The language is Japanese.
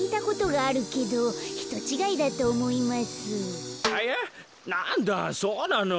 あやっなんだそうなの？